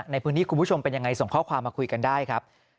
คุณผู้ชมเป็นยังไงส่งข้อความมาคุยกันได้ครับ